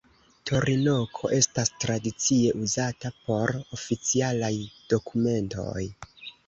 Torinoko estas tradicie uzata por oficialaj dokumentoj.